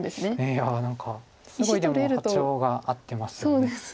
いや何かすごいでも波長が合ってますよね。